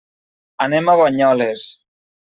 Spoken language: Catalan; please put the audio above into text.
Anem a Banyoles.